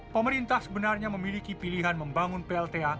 pemerintah sebenarnya memiliki pilihan membangun plta